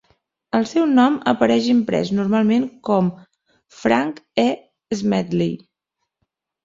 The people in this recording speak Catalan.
El seu nom apareix imprès normalment com Frank E. Smedley.